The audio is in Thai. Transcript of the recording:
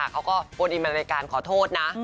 เขาก็โปรดอิมันในการขอโทษนะ